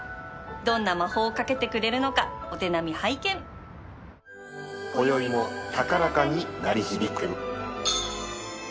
どんな魔法をかけてくれるのかお手並み拝見こよいも高らかに鳴り響く。